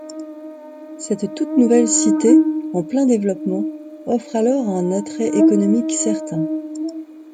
Cette toute nouvelle cité en plein développement, offre alors un attrait économique certain.